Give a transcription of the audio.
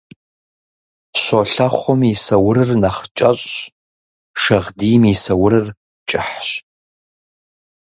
Щолэхъум и саурыр нэхъ кӀэщӀщ, шагъдийм и саурыр кӀыхьщ.